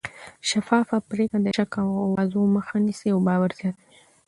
شفافه پرېکړې د شک او اوازو مخه نیسي او باور زیاتوي